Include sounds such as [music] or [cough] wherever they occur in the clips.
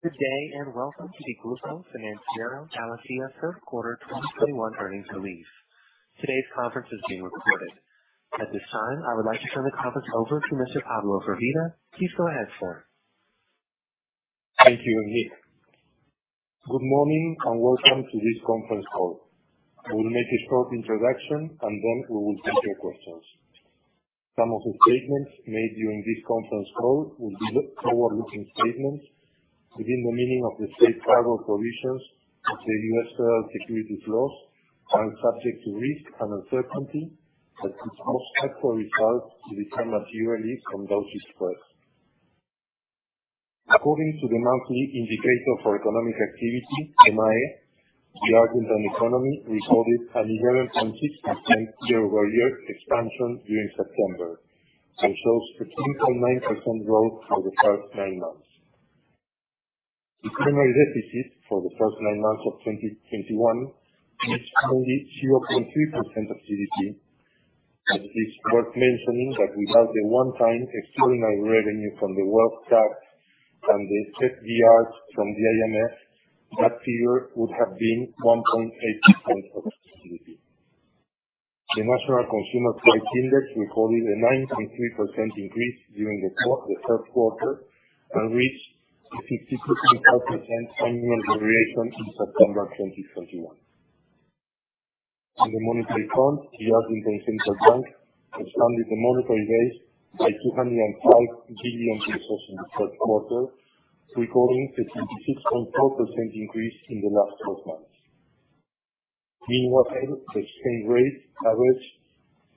Good day, and welcome to the Grupo Financiero Galicia third quarter 2021 earnings release. Today's conference is being recorded. At this time, I would like to turn the conference over to Mr. Pablo Firvida. Please go ahead, sir. Thank you, Nick. Good morning, and welcome to this conference call. I will make a short introduction, and then we will take your questions. Some of the statements made during this conference call are forward-looking statements within the meaning of the safe harbor provisions of the U.S. federal securities laws and are subject to risk and uncertainty. Actual results may differ materially from those discussed. According to the Monthly Estimator of Economic Activity, EMAE, the Argentine economy recorded an 11.6% year-over-year expansion during September, and shows a 10.9% growth for the first nine months. The primary deficit for the first nine months of 2021 is only 0.3% of GDP, and it is worth mentioning that without the one-time extraordinary revenue from the wealth tax and the SDRs from the IMF, that figure would have been 1.8% of GDP. The National Consumer Price Index recorded a 9.3% increase during the third quarter and reached a 52.4% annual variation in September 2021. On the monetary front, the Argentine Central Bank expanded the monetary base by 205 billion pesos in the third quarter, recording a 26.4% increase in the last 12 months. Meanwhile, the exchange rate averaged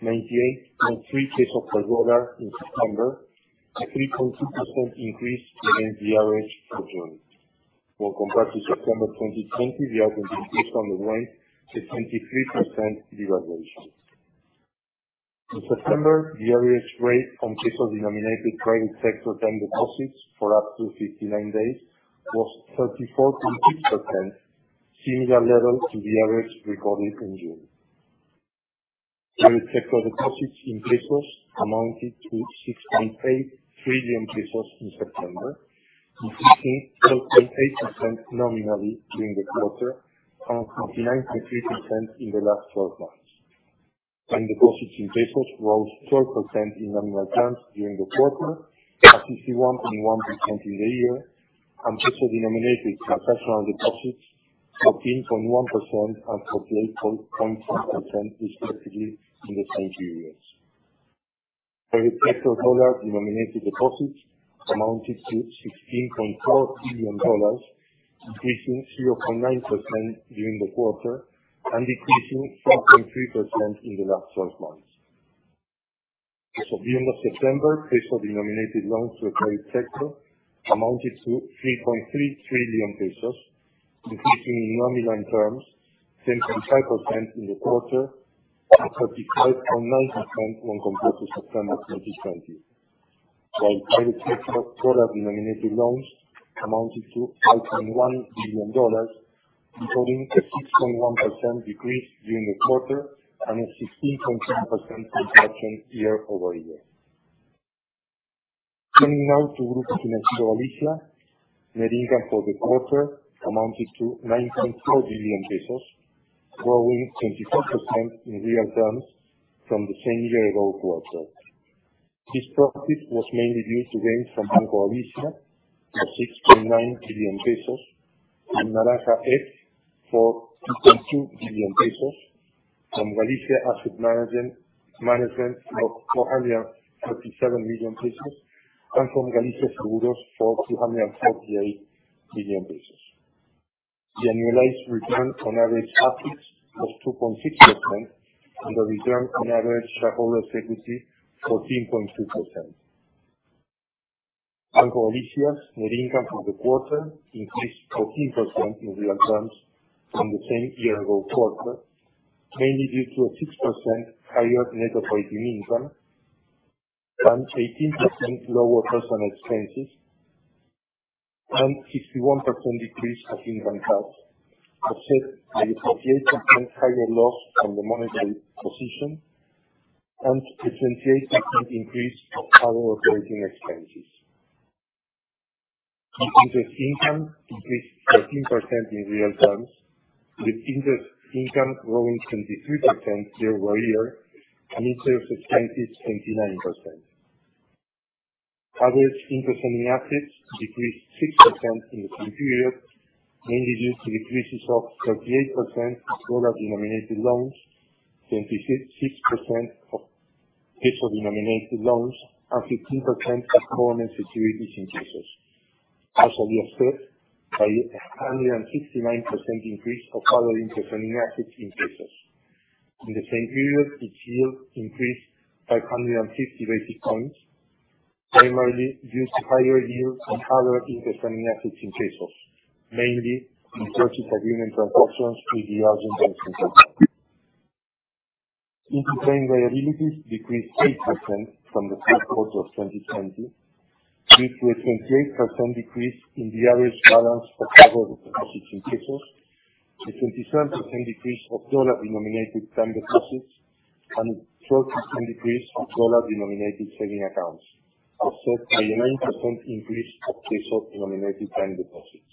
98.3 pesos per dollar in September, a 3.2% increase against the average for June. When compared to September 2020, the Argentine peso underwent a 23% devaluation. In September, the average rate on peso-denominated private sector time deposits for up to 59 days was 34.6%, similar levels to the average recorded in June. Public sector deposits in pesos amounted to 6.8 trillion pesos in September, increasing 12.8% nominally during the quarter, and 29.3% in the last 12 months. Time deposits in pesos rose 12% in nominal terms during the quarter, and 51.1% in the year, and peso-denominated transactional deposits 14.1% and 14.6% respectively in the same periods. Public sector dollar-denominated deposits amounted to $16.4 billion, increasing 0.9% during the quarter, and decreasing 4.3% in the last 12 months. As of the end of September, ARS-denominated loans to the private sector amounted to 3.3 trillion pesos, decreasing in nominal terms 10.5% in the quarter, and 35.9% when compared to September 2020. Private sector dollar-denominated loans amounted to $5.1 billion, recording a 6.1% decrease during the quarter and a 16.9% reduction year-over-year. Turning now to Grupo Financiero Galicia, net income for the quarter amounted to 9.4 billion pesos, growing 24% in real terms from the same year-ago quarter. This profit was mainly due to gains from Banco Galicia of 6.9 billion pesos, from Naranja X for 2.2 billion pesos, from Galicia Asset Management for 437 million pesos, and from Galicia Seguros for 248 million pesos. The annualized return on average assets was 2.6%, and the return on average shareholder equity, 14.2%. Banco Galicia's net income for the quarter increased 14% in real terms from the same year ago quarter, mainly due to a 6% higher net operating income, and 18% lower personnel expenses, and 61% decrease in bank tax, offset by a 58% higher loss from the monetary position and a 28% increase of other operating expenses. Net interest income increased 13% in real terms, with interest income growing 23% year-over-year, and interest expenses, 29%. Average interest-earning assets decreased 6% in the same period, mainly due to decreases of 38% in dollar-denominated loans, 26% of peso-denominated loans, and 15% of government securities in pesos. Was also offset by a 169% increase of other interest-earning assets in pesos. In the same period, its yield increased 560 basis points, primarily due to higher yields on other interest-earning assets in pesos, mainly in purchase agreement transactions with the Argentine Central Bank. Interest-bearing liabilities decreased 8% from the third quarter of 2020, due to a 28% decrease in the average balance of current deposits in pesos. A 27% decrease of dollar-denominated time deposits and a 12% decrease of dollar-denominated savings accounts, offset by a 9% increase of peso-denominated time deposits.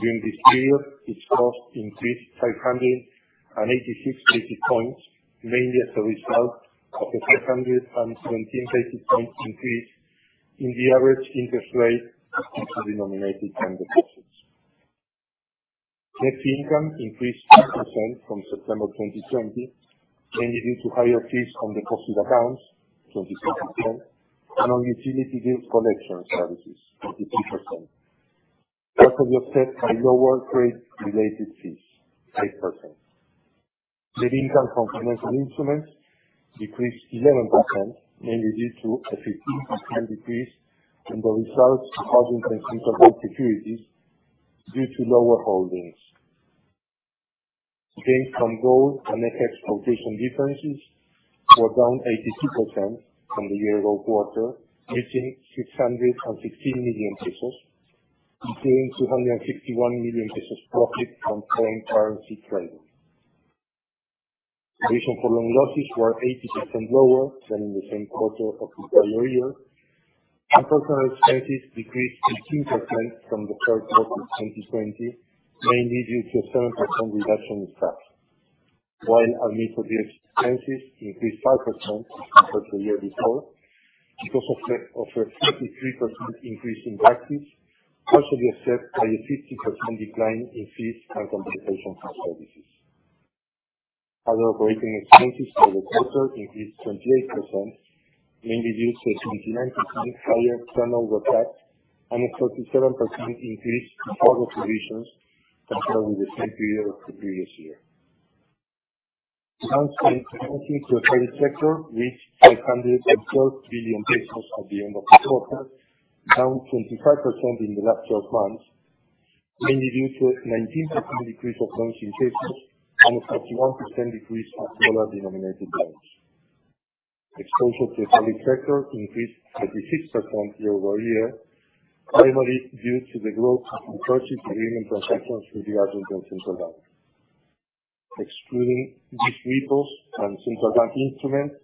During this period, its cost increased 586 basis points, mainly as a result of a 517 basis points increase in the average interest rate of peso-denominated time deposits. Net fee income increased 8% from September 2020, mainly due to higher fees on deposit accounts, 27%, and on utility bill collection services, 43%, partially offset by lower trade-related fees, 8%. Net income from financial instruments decreased 11%, mainly due to a 15% decrease in the results of holding securities due to lower holdings. Gains from gold and FX valuation differences were down 82% from the year-ago quarter, making 616 million pesos, including 261 million pesos profit from foreign currency trading. Provisions for loan losses were 80% lower than in the same quarter of the prior year, and personnel expenses decreased 18% from the third quarter of 2020, mainly due to a 7% reduction in staff. While administrative expenses increased 5% compared to the year before because of a 33% increase in taxes, partially offset by a 50% decline in fees and consultation services. Other operating expenses for the quarter increased 28%, mainly due to a 29% higher turnover tax and a 37% increase in other provisions compared with the same period of the previous year. Loans and financing to the public sector reached 512 billion pesos at the end of the quarter, down 25% in the last 12 months, mainly due to a 19% decrease of loans in pesos and a 31% decrease of dollar-denominated loans. Exposure to the public sector increased 36% year-over-year, primarily due to the growth of purchase agreement transactions with the Argentine Central Bank. Excluding these repos and Central Bank instruments,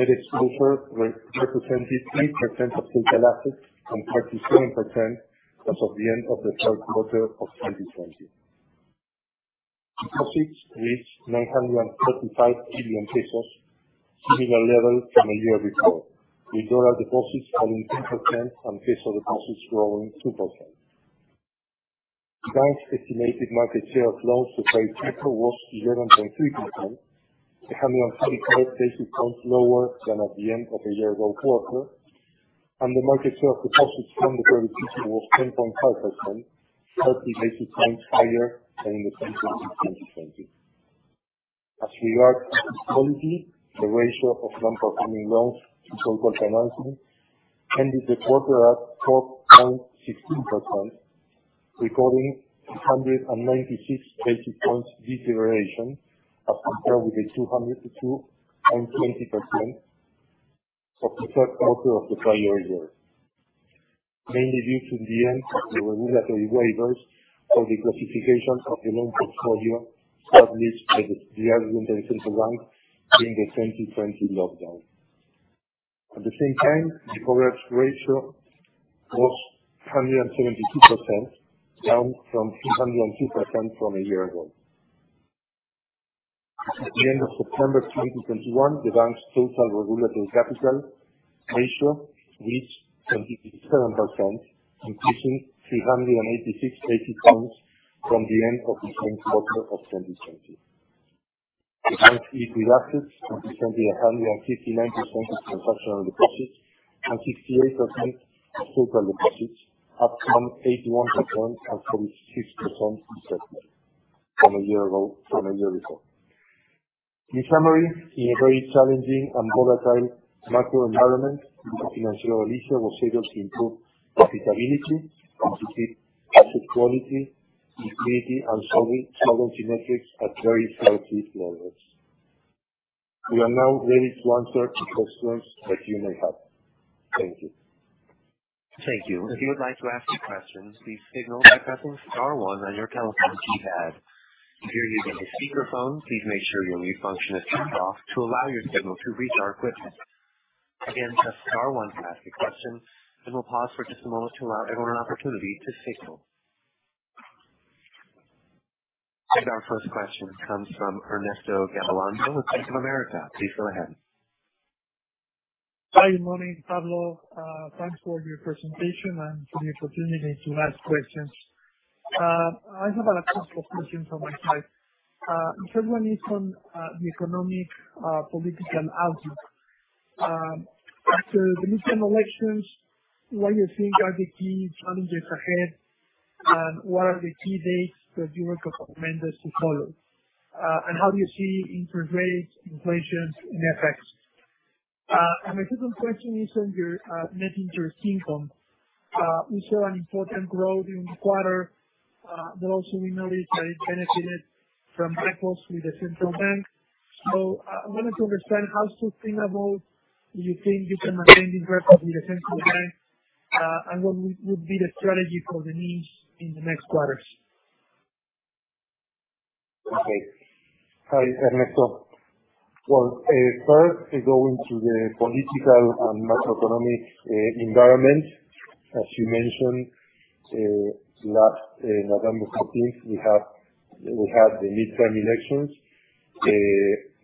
net exposure represented 3% of total assets and 37% as of the end of the third quarter of 2020. Deposits reached 935 billion pesos, similar level from the year before, with dollar deposits falling 10% and peso deposits growing 2%. The bank's estimated market share of loans to private sector was 11.3%, 134 basis points lower than at the end of the year-ago quarter. The market share of deposits from the public sector was 10.5%, 30 basis points higher than in the same quarter of 2020. As regards asset quality, the ratio of non-performing loans to total financing ended the quarter at 12.16%, recording 196 basis points deterioration as compared with the 2%-2.20% of the third quarter of the prior year, mainly due to the end of the regulatory waivers for the classification of the loan portfolio established by the Argentine Central Bank during the 2020 lockdown. At the same time, the coverage ratio was 172%, down from 302% from a year ago. At the end of September 2021, the bank's total regulatory capital ratio reached 27%, increasing 386 basis points from the end of the same quarter of 2020. The bank's equity ratios represented 159% of transactional deposits and 68% of total deposits, up from 81% and 46%, respectively, from a year ago, from a year before. In summary, in a very challenging and volatile macro environment, Grupo Financiero Galicia was able to improve profitability, asset quality, liquidity, and solvency metrics at very healthy levels. We are now ready to answer the questions that you may have. Thank you. Thank you. If you would like to ask questions, please signal by pressing star one on your telephone keypad. If you're using a speakerphone, please make sure your mute function is turned off to allow your signal to reach our equipment. Again, press star one to ask a question, and we'll pause for just a moment to allow everyone an opportunity to signal. Our first question comes from Ernesto Gabilondo with Bank of America. Please go ahead. Hi. Good morning, Pablo. Thanks for your presentation and for the opportunity to ask questions. I have a couple of questions on my side. The first one is on the economic, political outlook. After the midterm elections, what do you think are the key challenges ahead, and what are the key dates that you recommend us to follow? And how do you see interest rates, inflation, and FX? My second question is on your net interest income. We saw an important growth in the quarter, but also we noticed that it benefited from repos with the Central Bank. I wanted to understand how sustainable you think this repo with the Central Bank, and what would be the strategy for the NII in the next quarters? Okay. Hi, Ernesto. Well, first, going to the political and macroeconomic environment, as you mentioned last November14th, we had the midterm elections.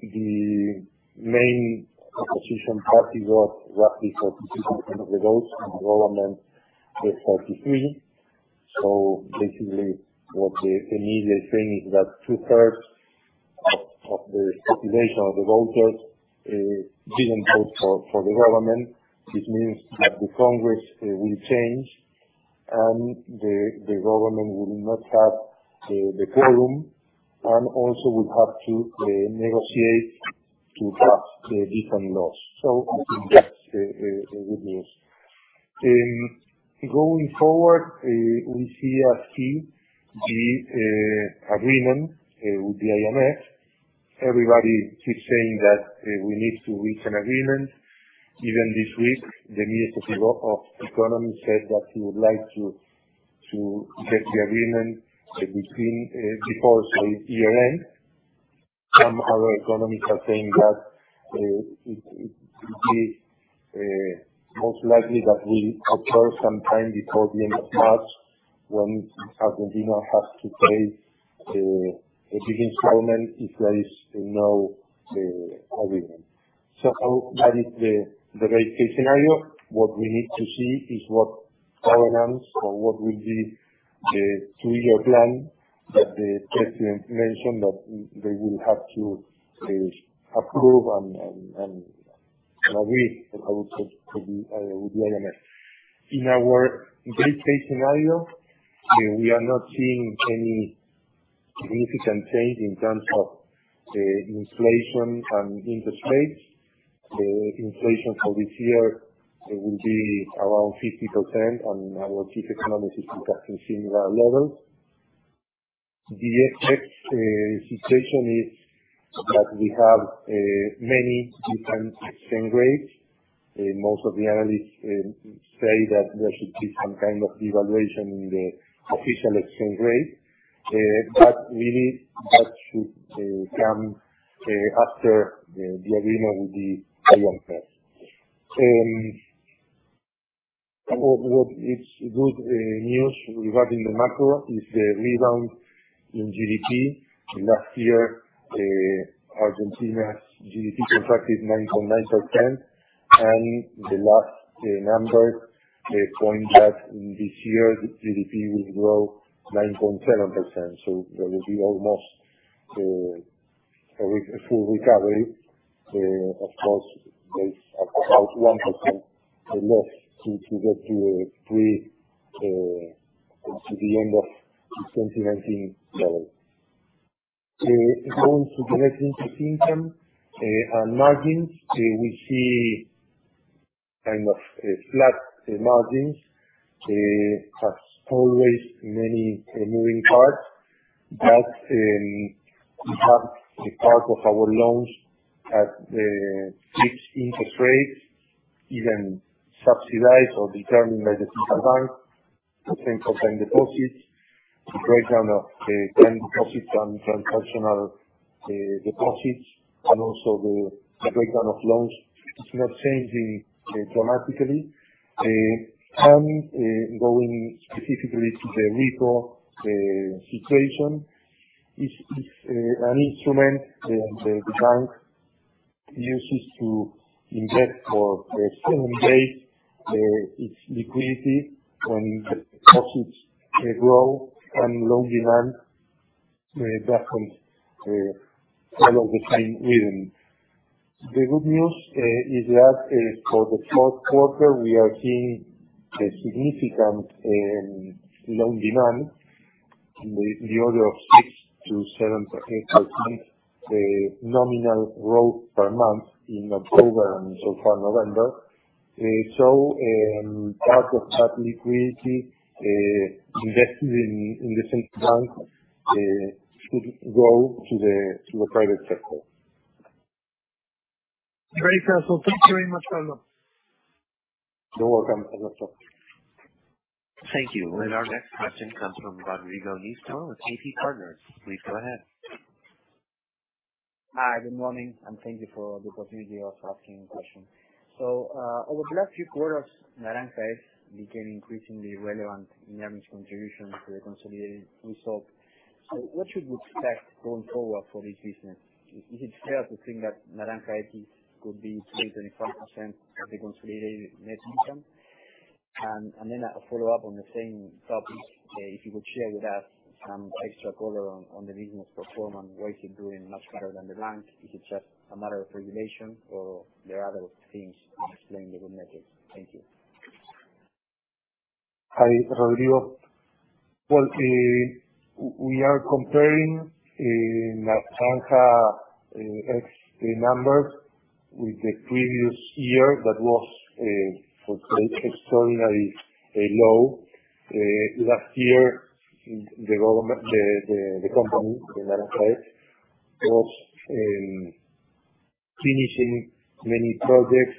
The main opposition party got roughly 44% of the votes and the government got 43%. Basically, what the immediate thing is that two-thirds of the population of the voters didn't vote for the government. Which means that the Congress will change and the government will not have the quorum, and also will have to negotiate to pass the different laws. I think that's a good news. Going forward, we see a key agreement with the IMF. Everybody keeps saying that we need to reach an agreement. Even this week, the Minister of Economy said that he would like to get the agreement before the year end. Some other economists are saying that it could be most likely that it occurs some time before the end of March, when Argentina has to pay a big installment if there is no agreement. That is the base case scenario. What we need to see is what programs or what will be the two-year plan that the president mentioned, that they will have to approve and agree with the IMF. In our base case scenario, we are not seeing any significant change in terms of inflation and interest rates. Inflation for this year will be around 50% and our chief economist is expecting similar levels. The exchange situation is that we have many different exchange rates. Most of the analysts say that there should be some kind of devaluation in the official exchange rate. But we need that to come after the agreement with the IMF. What is good news we have in the macro is the rebound in GDP. Last year, Argentina's GDP contracted 9.9%. The last numbers, they point that this year's GDP will grow 9.7%. There will be almost a full recovery. Of course, there's about 1% left to get to the end of 2019 level. Going to the net interest income and margins, we see kind of flat margins. As always many moving parts. We have a part of our loans at fixed interest rates, even subsidized or determined by the Central Bank. The same for time deposits. The breakdown of time deposits and transactional deposits and also the breakdown of loans is not changing dramatically. Going specifically to the repo situation, it is an instrument the bank uses to invest, for a certain date, its liquidity and deposits growth and loan demand that comes all of the same reason. The good news is that for the fourth quarter, we are seeing a significant loan demand in the order of 6%-8% nominal growth per month in October and so far November. Part of that liquidity invested in the central bank should go to the private sector. Great, Carlos. Thank you very much, Carlos. You're welcome, Ernesto. Thank you. Our next question comes from Rodrigo Nistor with JPMorgan. Please go ahead. Hi, good morning, and thank you for the opportunity of asking a question. Over the last few quarters, Naranja X became increasingly relevant in average contribution to the consolidated result. What should we expect going forward for this business? Is it fair to think that Naranja X could be 3%-5% of the consolidated net income? Then a follow-up on the same topic, if you could share with us some extra color on the business performance. Why is it doing much better than the bank? Is it just a matter of regulation or there are other things explaining the good metrics? Thank you. Hi, Rodrigo. Well, we are comparing Naranja X numbers with the previous year. That was extraordinary low. Last year, the government, the company, the Naranja X, was finishing many projects,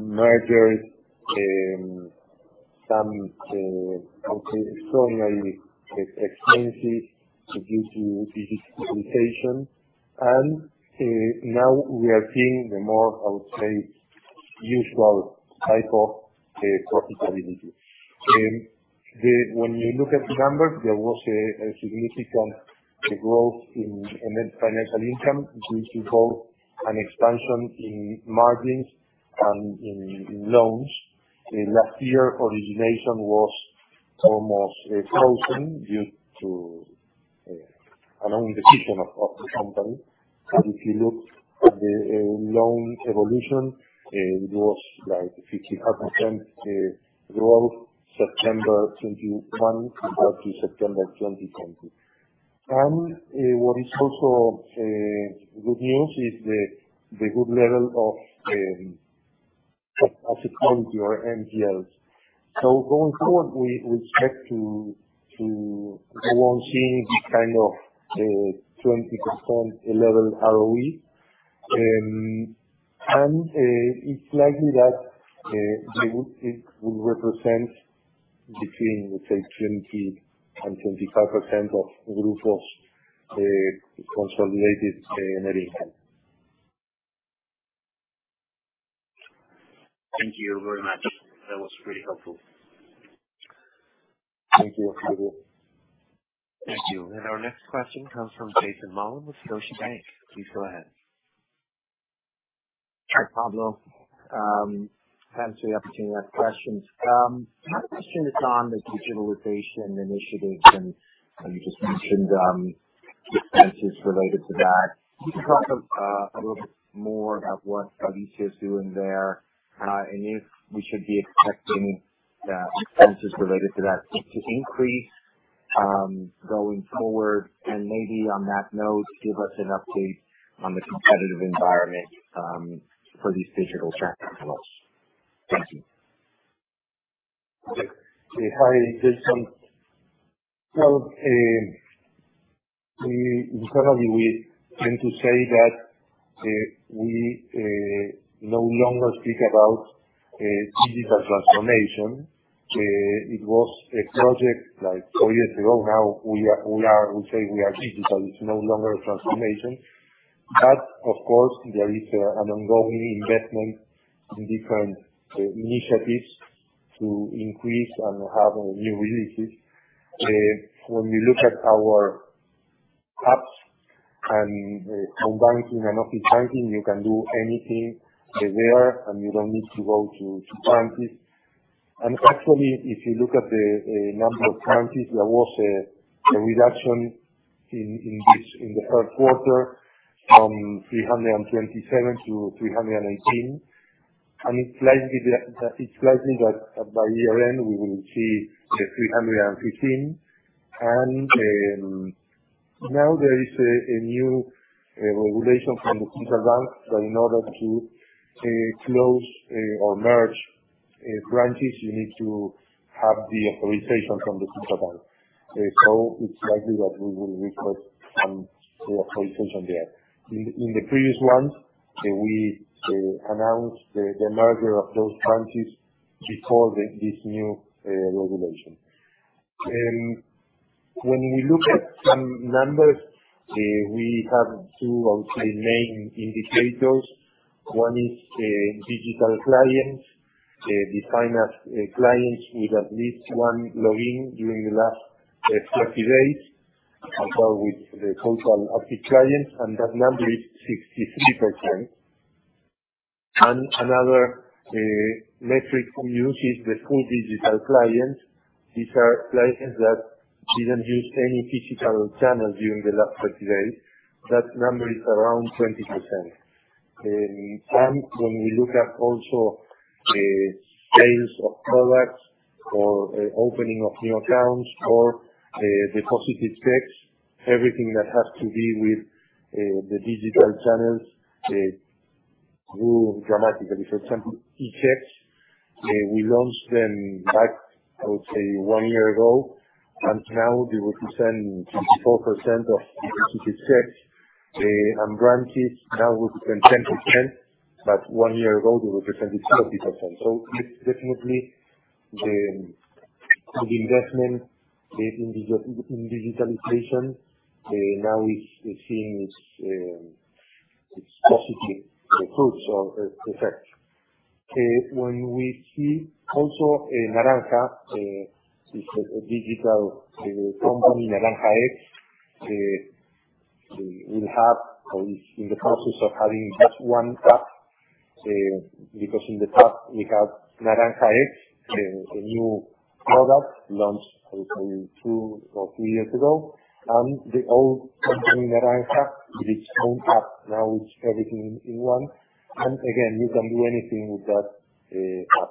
mergers, some I would say, extraordinary expenses due to digitization. Now we are seeing the more I would say, usual type of profitability. When we look at the numbers, there was a significant growth in the financial income, which involved an expansion in margins and in loans. Last year, origination was almost frozen due to, [inaudible] of the company. If you look at the loan evolution, it was like 55% growth, September 2021 compared to September 2020. What is also good news is the good level of ROE. Going forward, we expect to go on seeing this kind of 20% level ROE. It's likely that it will represent between, let's say, 20% and 25% of Grupo's consolidated net income. Thank you very much. That was very helpful. Thank you. Thank you. Our next question comes from Jason Mollin with Scotiabank. Please go ahead. Hi, Pablo. Thanks for the opportunity to ask questions. My question is on the digitalization initiative, and you just mentioned expenses related to that. Can you talk a little bit more about what Galicia is doing there, and if we should be expecting those expenses related to that to increase going forward? Maybe on that note, give us an update on the competitive environment for these digital. Thank you. Okay. Hi, Jason. Internally, we tend to say that we no longer speak about digital transformation. It was a project like four years ago. Now we are. We say we are digital. It's no longer a transformation. Of course, there is an ongoing investment in different initiatives to increase and have new releases. When we look at our apps and phone banking and online banking, you can do anything there, and you don't need to go to branches. Actually, if you look at the number of branches, there was a reduction in the third quarter from 327 to 318. It's likely that by year-end we will see 315. Now there is a new regulation from the Central Bank that in order to close or merge branches, you need to have the authorization from the Central Bank. So it's likely that we will request some authorization there. In the previous months, we announced the merger of those branches before this new regulation. When we look at some numbers, we have two or three main indicators. One is digital clients, defined as clients with at least one login during the last 30 days, as well with the total active clients, and that number is 63%. Another metric we use is the full digital clients. These are clients that didn't use any physical channels during the last 30 days. That number is around 20%. When we look at also sales of products or opening of new accounts or deposited checks, everything that has to do with the digital channels grew dramatically. For example, echeqs we launched them back, I would say one year ago, and now they represent 54% of deposited checks. And branches now represent 10%, but one year ago they represented 30%. It's definitely the investment in digitalization, now it seems it's positive, the fruits or the effect. When we see also Naranja is a digital company, Naranja X. We have or is in the process of having just one app, because in the past we have Naranja X, a new product launched, I would say two or three years ago. The old company, Naranja, with its own app, now it's everything in one. Again, you can do anything with that app.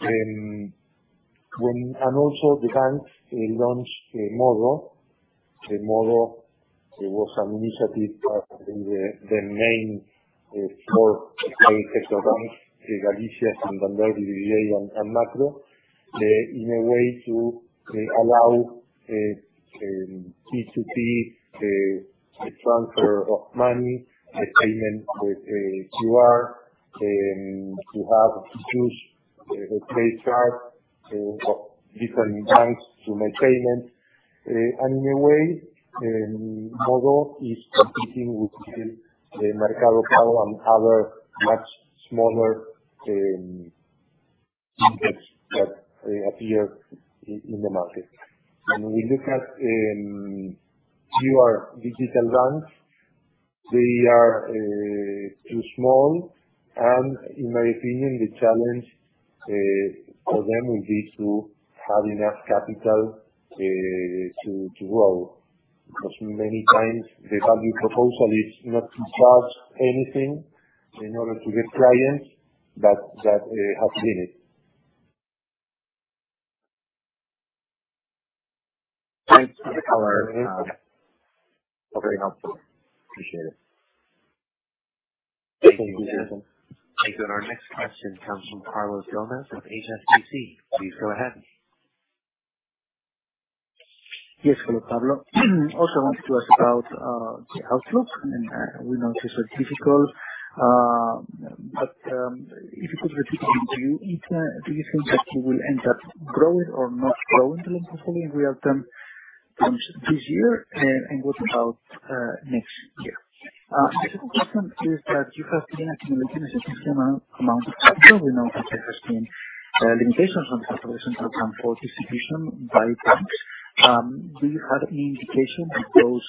The bank launched MODO. MODO was an initiative by the main four private sector banks, Galicia and Santander, BBVA and Macro, in a way to allow P2P transfer of money, payment with QR, to have two pay cards or different banks to make payments. In a way, MODO is competing with Mercado Pago and other much smaller that appear in the market. When we look at your digital banks, they are too small, and in my opinion, the challenge for them will be to have enough capital to grow, because many times the value proposal is not to charge anything in order to get clients, but that has limit. Thanks for the color. Very helpful. Appreciate it. Thank you. Thank you. Our next question comes from Carlos Gomez-Lopez of HSBC. Please go ahead. Yes, hello, Pablo. Also want to ask about the outlook, and we know things are difficult. If you put the [inaudible] do you think that you will end up growing or not growing [inaudible] this year? What about next year? The second question is that you have been accumulating a significant amount of capital. We know that there has been limitations on the [inaudible] for distribution by banks. Do you have any indication if those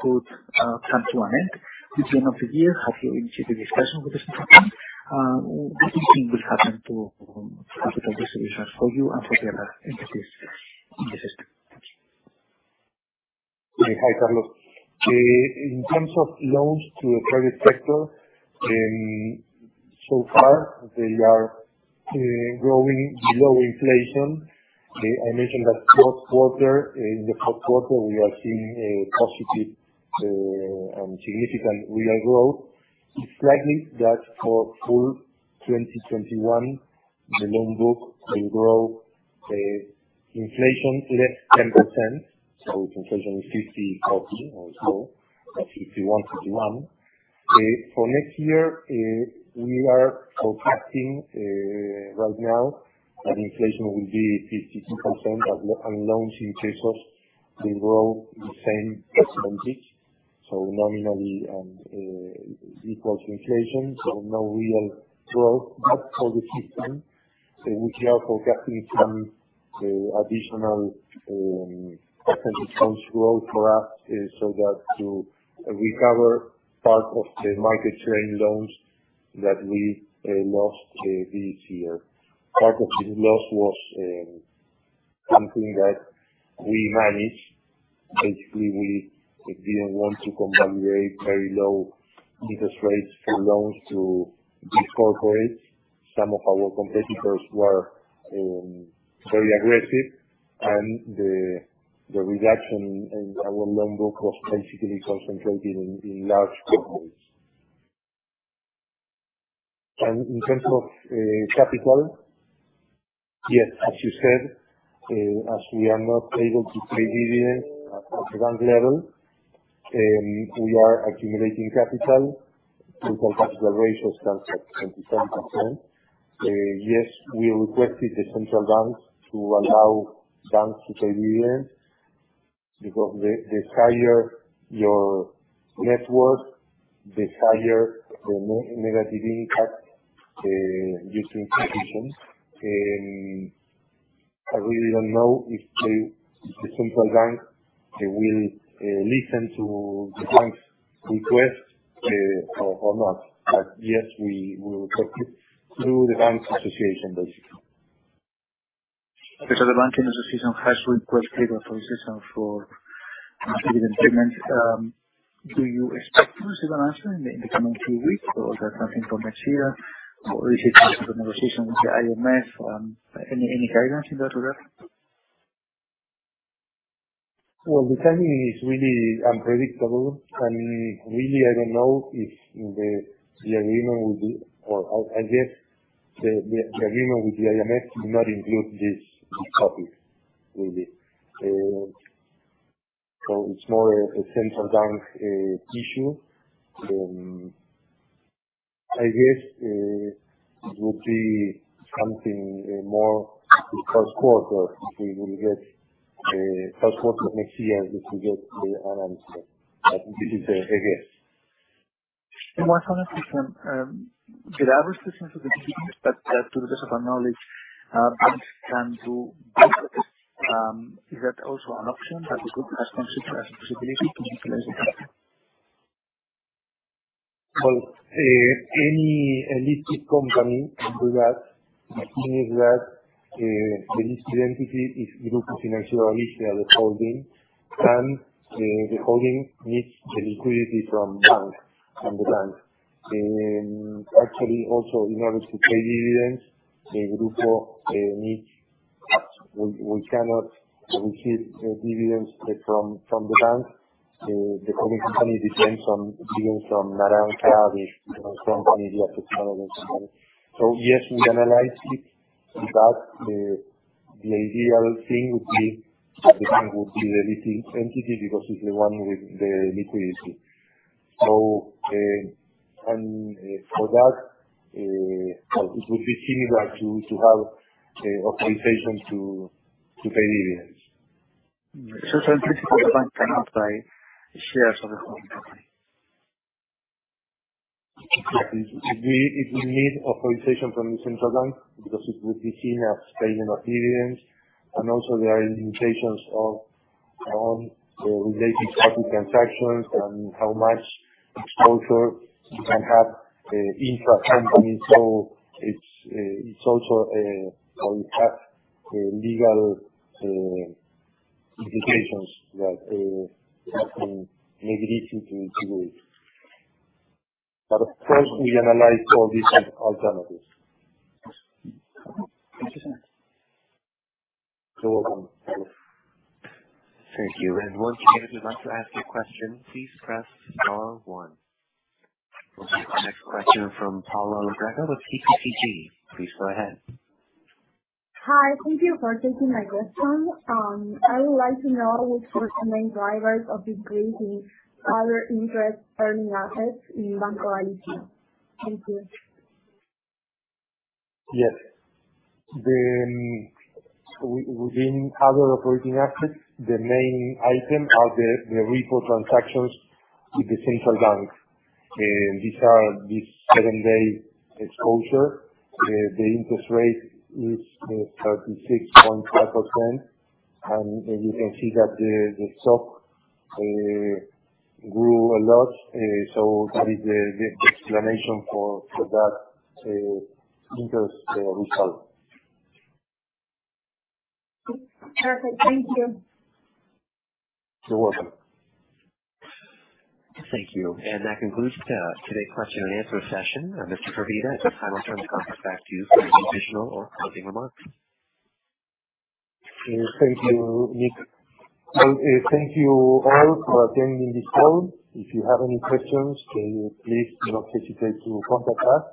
could come to an end at the end of the year? Have you initiated discussions with? [inaudible] What do you think will happen to capital distributions for you and for the other entities in the system? Hi, Carlos. In terms of loans to the private sector, so far they are growing below inflation. I mentioned that first quarter, in the first quarter we are seeing a positive significant real growth. It's likely that for full 2021, the loan book will grow inflation plus 10%. Inflation is 54 or so, that's 51.1. For next year, we are forecasting right now that inflation will be 52% but loans in pesos will grow the same percentage. Nominally equals inflation. No real growth, but for the system, we are forecasting some additional double-digit growth for us, so that to recover part of the market share in loans that we lost this year. Part of this loss was something that we managed. Basically, we didn't want to contemplate very low interest rates for loans to these corporates. Some of our competitors were very aggressive and the reduction in our loan book was basically concentrated in large corporates. In terms of capital, yes, as you said, as we are not able to pay dividend at the bank level, we are accumulating capital. Total capital ratios stand at 20.10%. Yes, we requested the Central Bank to allow banks to pay dividends because the higher your net worth, the higher the negative impact using provisions. I really don't know if the central bank will listen to the bank's request or not. Yes, we will talk it through the bank's association, basically. Because the banking association has requested authorization for dividend payments. Do you expect to receive an answer in the coming few weeks or is that something for next year? Or is it part of the negotiation with the IMF? Any guidance in that regard? Well, the timing is really unpredictable, and really, I don't know if the agreement will be. I guess, the agreement with the IMF did not include this topic really. So it's more a central bank issue. I guess, it would be something more first quarter if we will get first quarter next year if we get the answer. I think this is the, I guess. One follow-up question. To the best of our knowledge, banks can do bond spreads. Is that also an option that the group has considered as a possibility to utilize liquidity? Well, any listed company can do that, meaning that, the listed entity is Grupo Financiero Galicia, and, the holding needs the liquidity from the banks. Actually, also, in order to pay dividends, the Grupo needs us. We cannot receive dividends from the banks. The holding company depends on dividends from Naranja, from any of the subsidiaries. Yes, we analyzed it. In fact, the ideal thing would be, the bank would be the listing entity because it's the one with the liquidity. For that, it would be similar to have authorization to pay dividends. In principle, the bank cannot buy shares of the holding company. It will need authorization from the central bank because it would be seen as paying a dividend. There are limitations of related party transactions and how much exposure you can have intra-company. It's also how you have legal implications that make it easy to integrate. Of course, we analyze all these alternatives. Thank you, sir. You're welcome. Thank you. Once again, if you'd like to ask a question, please press star one. We'll take our next question from Paula Arregui with TPCG. Please go ahead. Hi. Thank you for taking my question. I would like to know what were the main drivers of increasing other interest earning assets in Banco Galicia? Thank you. Yes. Within other operating assets, the main item is the repo transactions with the central bank. These are seven-day exposures. The interest rate is 36.5%. You can see that the stock grew a lot. That is the explanation for that interest result. Perfect. Thank you. You're welcome. Thank you. That concludes today's question and answer session. Mr. Firvida, at this time I'll turn the conference back to you for any additional or closing remarks. Thank you, Nick. Thank you all for attending this call. If you have any questions, please do not hesitate to contact us.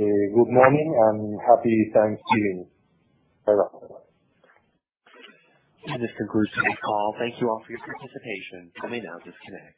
Good morning and Happy Thanksgiving. Bye-bye. This concludes today's call. Thank you all for your participation. You may now disconnect.